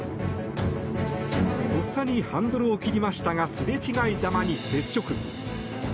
とっさにハンドルを切りましたがすれ違いざまに接触。